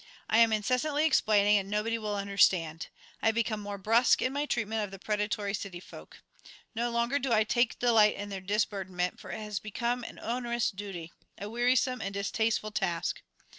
I am incessantly explaining, and nobody will understand. I have become more brusque in my treatment of the predatory city folk. No longer do I take delight in their disburdenment, for it has become an onerous duty, a wearisome and distasteful task.